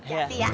siap sih ya